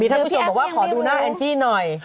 ท่านผู้ชมบอกว่าขอดูหน้าแองจี้หน่อย